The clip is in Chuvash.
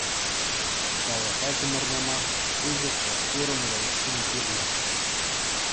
Халӑха чӑмӑртама пысӑк та курӑмлӑ ӗҫсем кирлӗ.